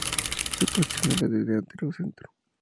Su posición es la de delantero centro.